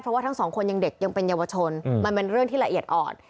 เพราะว่าทั้งสองคนยังเด็กยังเป็นเยาวชนมันเป็นเรื่องที่ละเอียดอ่อน